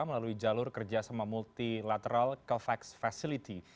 melalui jalur kerjasama multilateral covax facility